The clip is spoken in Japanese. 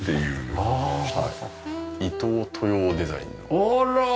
あら！